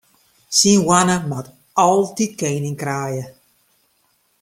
Syn hoanne moat altyd kening kraaie.